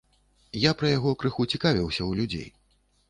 Я пра яго крыху цікавіўся ў людзей.